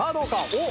おっ！